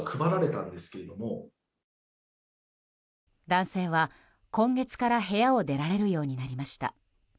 男性は、今月から部屋を出られるようになりました。